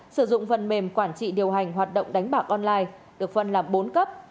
sử dụng phần mềm quản trị điều hành hoạt động đánh bạc online được phân làm bốn cấp